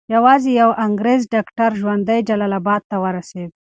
یوازې یو انګریز ډاکټر ژوندی جلال اباد ته ورسېد.